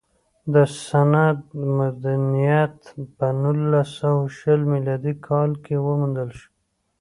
د سند مدنیت په نولس سوه شل میلادي کال کې وموندل شو